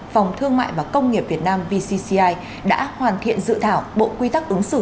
phòng thương mại và công nghiệp việt nam vcci đã hoàn thiện dự thảo bộ quy tắc ứng xử